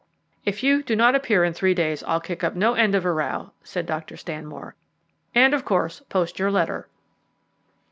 "If you do not appear in three days I'll kick up no end of a row," said Dr. Stanmore, "and, of course, post your letter."